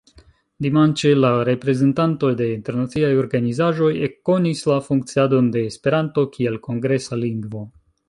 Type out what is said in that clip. Dimanĉe la reprezentantoj de internaciaj organizaĵoj ekkonis la funkciadon de Esperanto kiel kongresa lingvo.